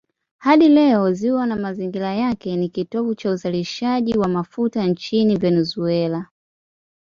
Hadi leo ziwa na mazingira yake ni kitovu cha uzalishaji wa mafuta nchini Venezuela.